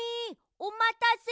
おまたせ。